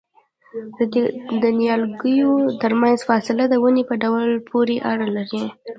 د نیالګیو ترمنځ فاصله د ونې په ډول پورې اړه لري؟